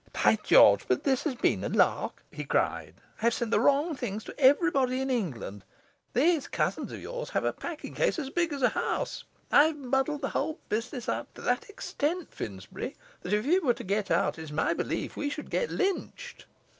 'By George, but this has been a lark!' he cried. 'I've sent the wrong thing to everybody in England. These cousins of yours have a packing case as big as a house. I've muddled the whole business up to that extent, Finsbury, that if it were to get out it's my belief we should get lynched.